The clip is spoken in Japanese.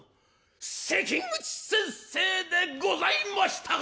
関口先生でございましたか！」。